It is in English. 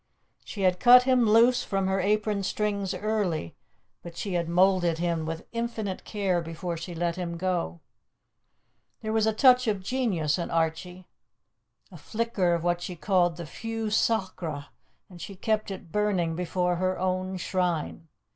She had cut him loose from her apron strings early, but she had moulded him with infinite care before she let him go. There was a touch of genius in Archie, a flicker of what she called the feu sacré, and she had kept it burning before her own shrine.